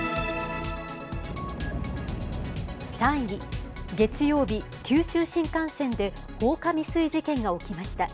３位、月曜日、九州新幹線で放火未遂事件が起きました。